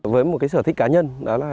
với một sở thích cá nhân